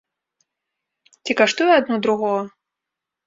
Ці каштуе адно другога?